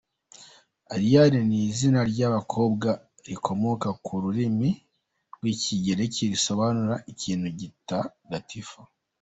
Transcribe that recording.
Ariane ni izina ry’abakobwa rikomoka ku rurimi rw’Ikigereki risobanura “Ikintu gitagatifu”.